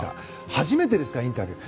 初めてですから、インタビュー。